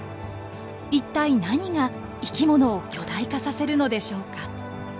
一体何が生き物を巨大化させるのでしょうか。